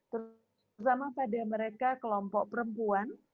terutama pada mereka kelompok perempuan